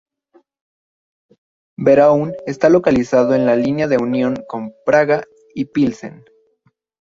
Beroun está localizado en la línea de la unión con Praga y Pilsen.